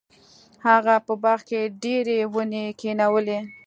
هغه په باغ کې ډیرې ونې کینولې.